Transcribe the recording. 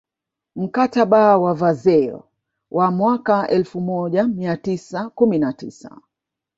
Mkataba wa Versailles wa mwaka elfu moja mia tisa kumi na tisa